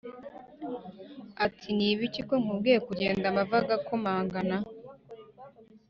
ati" nibiki konkubwiye kugenda amavi agakomangana?"